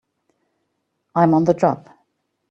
I'm on the job!